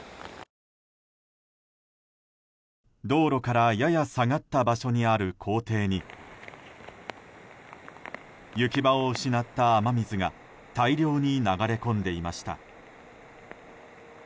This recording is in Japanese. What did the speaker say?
道路からやや下がった場所にある校庭に行き場を失った雨水が大量に流れ込んでいました。